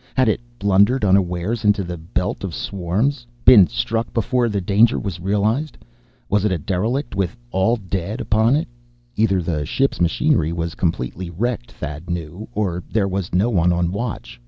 Had it blundered unawares into the belt of swarms been struck before the danger was realized? Was it a derelict, with all dead upon it? Either the ship's machinery was completely wrecked, Thad knew, or there was no one on watch.